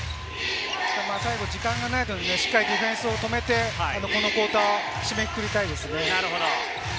時間がないので、ディフェンスを止めて、このクオーターを締めくくりたいですね。